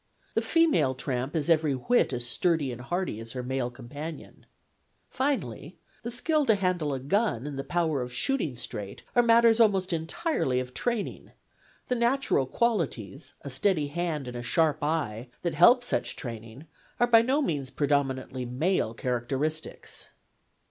The female tramp is every whit as sturdy and hardy as her male companion. Finally, the skill to handle a gun and the power of shooting straight are matters almost entirely of training : the natural qualities, a steady hand and PLATO 177 a sharp eye, that help such a training are by no means predominantly male characteristics.